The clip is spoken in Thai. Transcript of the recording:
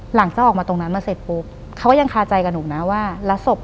หลังจากนั้นเราไม่ได้คุยกันนะคะเดินเข้าบ้านอืม